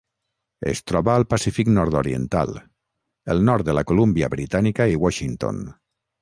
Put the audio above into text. Es troba al Pacífic nord-oriental: el nord de la Colúmbia Britànica i Washington.